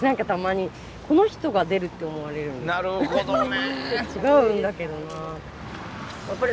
なるほどね。